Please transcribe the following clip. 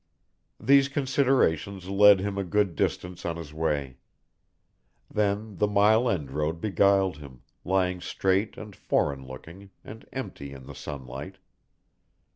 These considerations led him a good distance on his way. Then the Mile End Road beguiled him, lying straight and foreign looking, and empty in the sunlight.